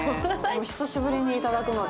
久しぶりにいただくので。